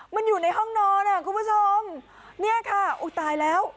มันอยู่ในห้องนอนอ่ะคุณผู้ชมเนี่ยค่ะอุ้ยตายแล้ว